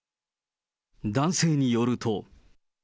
男性によると。